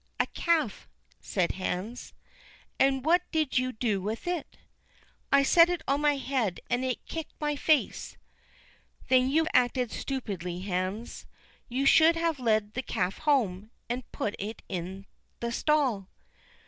"A calf," said Hans. "And what did you do with it?" "I set it on my head, and it kicked my face." "Then you acted stupidly, Hans; you should have led the calf home, and put it in the stall."